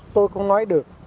tôi không nói được